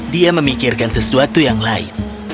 dia memikirkan sesuatu yang lain